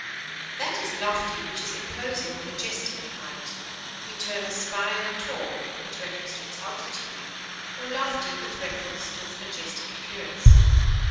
That is lofty which is imposing or majestic in height; we term a spire tall with reference to its altitude, or lofty with reference to its majestic appearance.